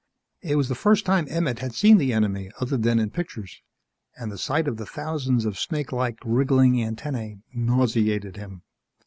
It was the first time Emmett had seen the enemy other than in pictures and the sight of the thousands of snakelike, wriggling antennae nauseated him.